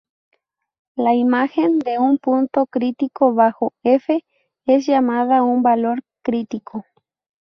La imagen de un punto crítico bajo "f" es llamada un valor crítico.